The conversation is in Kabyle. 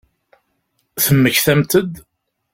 Temmektamt-d?